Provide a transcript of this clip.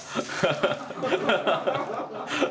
ハハハハッ！